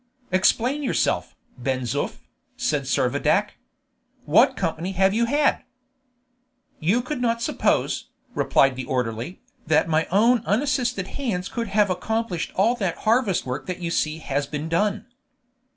"Explain yourself, Ben Zoof," said Servadac. "What company have you had?" "You could not suppose," replied the orderly, "that my own unassisted hands could have accomplished all that harvest work that you see has been done."